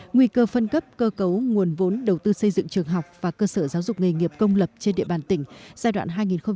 nguy cơ phân cấp cơ cấu nguồn vốn đầu tư xây dựng trường học và cơ sở giáo dục nghề nghiệp công lập trên địa bàn tỉnh giai đoạn hai nghìn hai mươi một hai nghìn hai mươi năm